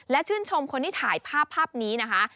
และชื่นชมคนที่ถ่ายภาพภาพนี้นะคะ